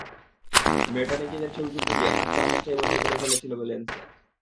মেয়েটা নিজেদের ছবি তুলতে গিয়ে আস্ত আকাশটাই বন্দী করে ফেলেছিল লেন্সে।